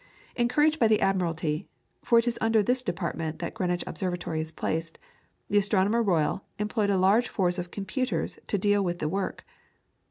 Encouraged by the Admiralty, for it is under this department that Greenwich Observatory is placed, the Astronomer Royal employed a large force of computers to deal with the work.